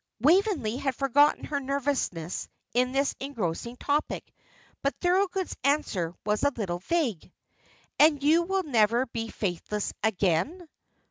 Waveney had forgotten her nervousness in this engrossing topic; but Thorold's answer was a little vague. "And you will never be faithless again?"